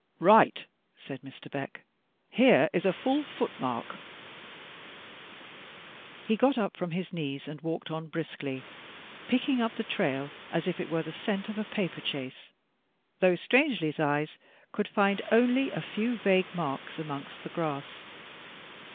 "Right," said Mr. Beck, "here is a ftdl footmark." He got up from his knees and walked on briskly, picking up the trail as if it were the "scent" of a paper chase, though Strangely 's eyes could find only a few vague marks amongst the grass.